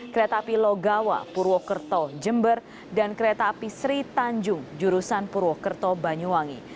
kereta api logawa purwokerto jember dan kereta api sri tanjung jurusan purwokerto banyuwangi